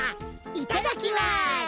いただきます。